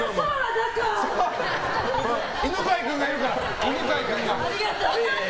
犬飼君がいるから。